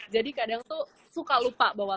jadi kadang tuh suka lupa bawa